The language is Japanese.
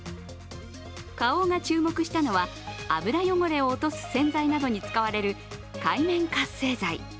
花王が注目したのは油汚れを落とす洗剤などに使われる界面活性剤。